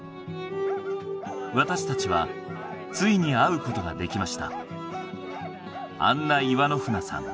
Ｚ私たちはついに会うことができました